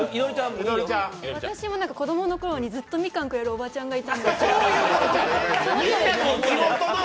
私も子供のころにずっとみかんくれるおばちゃんがいたんですけど。